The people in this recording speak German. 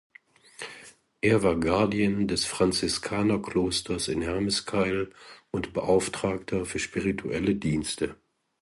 Er war Guardian des Franziskanerklosters in Hermeskeil und Beauftragter für spirituelle Dienste.